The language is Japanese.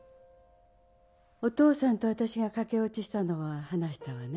お父さんと私が駆け落ちしたのは話したわね。